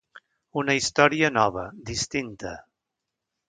Una història nova, distinta.